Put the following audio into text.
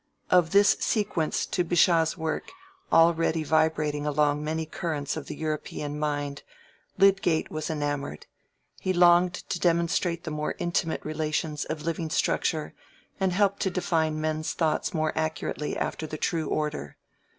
Of this sequence to Bichat's work, already vibrating along many currents of the European mind, Lydgate was enamoured; he longed to demonstrate the more intimate relations of living structure, and help to define men's thought more accurately after the true order.